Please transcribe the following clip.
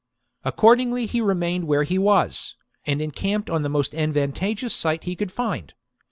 Accordingly he remained where he was, and encamped on the most advantageous site that he could find.